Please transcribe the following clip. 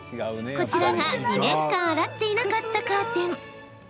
こちらが２年間洗っていなかったカーテン。